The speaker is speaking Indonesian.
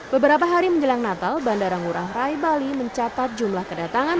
beberapa hari menjelang natal bandara ngurah rai bali mencatat jumlah kedatangan